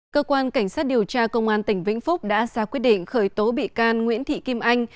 cơ quan cảnh sát điều tra công an tỉnh vĩnh phúc đã ra quyết định khởi tố bị can nguyễn thị kim anh